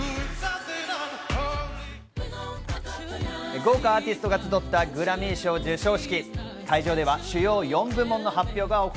豪華アーティストが集ったグラミー賞授賞式。